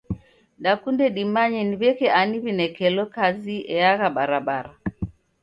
Dakunde dimanye ni w'eke ani w'inekelo kazi eagha barabara.